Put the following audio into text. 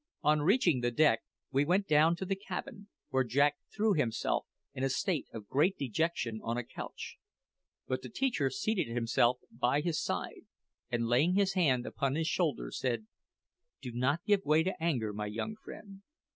On reaching the deck we went down to the cabin, where Jack threw himself, in a state of great dejection, on a couch; but the teacher seated himself by his side, and laying his hand upon his shoulder, said: "Do not give way to anger, my young friend.